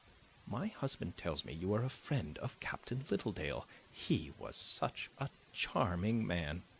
My husband tells me you are a friend of Captain Littledale; he was such a charming man.